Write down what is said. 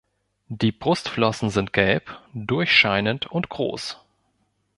Die Brustflossen sind gelb, durchscheinend und groß.